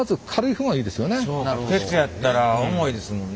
鉄やったら重いですもんね。